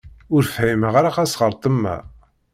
Ur fhimeɣ ara asxertem-a.